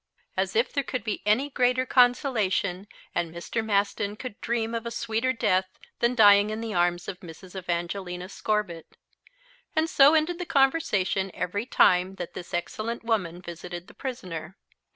As if there could be any greater consolation and Mr. Maston could dream of a sweeter death than dying in the arms of Mrs. Evangelina Scorbitt! And so ended the conversation every time that this excellent woman visited the prisoner.